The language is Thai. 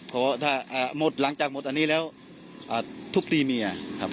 ขอถ้าอ่าหมดหลังจากหมดอันนี้แล้วอ่าทุกตีเมียครับ